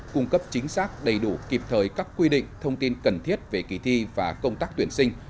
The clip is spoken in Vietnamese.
cung cấp chính xác đầy đủ kịp thời các quy định thông tin cần thiết về kỳ thi và công tác tuyển sinh